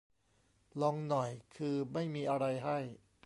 ลองหน่อย คือไม่มีอะไรให้